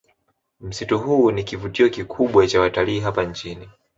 Msitu huu ni kivutio kikubwa cha watalii hapa nchini